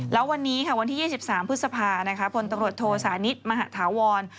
แล้ววันนี้ค่ะวันที่๒๓พฤษภาพลตำรวจโทสานิทมหาธาวร